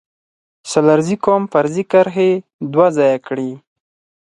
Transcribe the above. سلارزی قوم فرضي کرښې دوه ځايه کړي